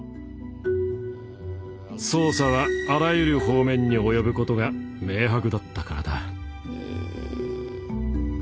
捜査はあらゆる方面に及ぶことが明白だったからだ。